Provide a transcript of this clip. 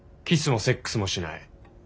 キスもセックスもしない。